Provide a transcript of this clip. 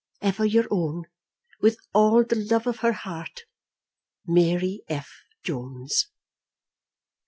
Ever your own, with all the love of her heart, MARY F. JONES.